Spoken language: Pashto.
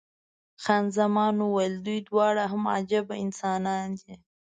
خان زمان وویل، دوی دواړه هم عجبه انسانان دي.